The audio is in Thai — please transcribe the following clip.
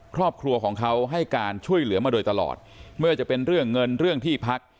ครอบครัวของเขาให้การช่วยเหลือมาโดยตลอดเมื่อจะเป็นเรื่องเงินเรื่องที่พัก